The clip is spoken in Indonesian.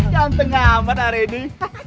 canteng banget hari ini